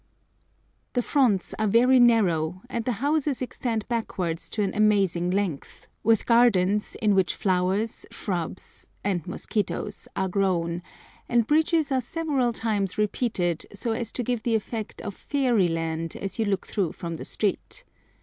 The fronts are very narrow, and the houses extend backwards to an amazing length, with gardens in which flowers, shrubs, and mosquitoes are grown, and bridges are several times repeated, so as to give the effect of fairyland as you look through from the street.